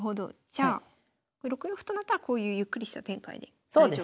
じゃあ６四歩となったらこういうゆっくりした展開で大丈夫と。